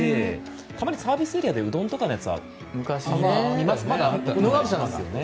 たまにサービスエリアでうどんとかのやつはまだ動いてますよね。